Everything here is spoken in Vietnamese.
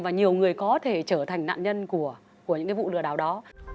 và nhiều người có thể trở thành nạn nhân của những vụ lừa đảo đó